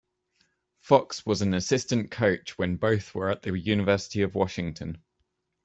Fox was an assistant coach when both were at the University of Washington.